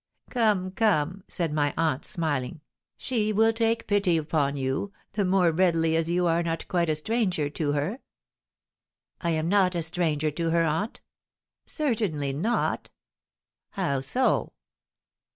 "Come, come!" said my aunt, smiling, "she will take pity upon you, the more readily as you are not quite a stranger to her." "I am not a stranger to her, aunt?" "Certainly not." "How so?"